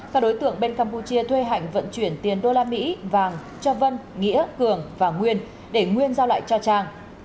các đối tượng bên campuchia thuê hạnh vận chuyển tiền đô la mỹ vàng cho vân nghĩa cường và nguyên để nguyên giao lại cho trang